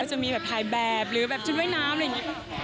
จะมีแบบถ่ายแบบหรือแบบชุดว่ายน้ำอะไรอย่างนี้